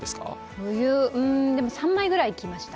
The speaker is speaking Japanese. でも３枚くらい着ました。